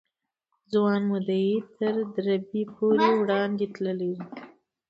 ځوان مدعي تر دربي پورې وړاندې تللی و.